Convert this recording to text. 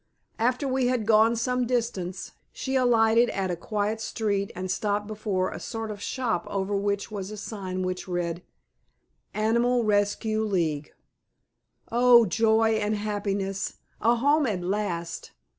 After we had gone some distance, she alighted at a quiet street and stopped before a sort of shop over which was a sign which read "Animal Rescue League." Oh, joy and happiness! A home at last.